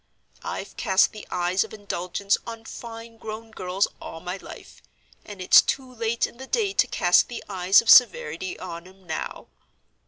I've cast the eyes of indulgence on fine grown girls all my life, and it's too late in the day to cast the eyes of severity on 'em now.